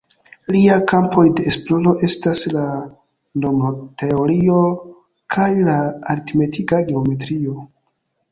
Lia kampoj de esploro estas la nombroteorio kaj la aritmetika geometrio.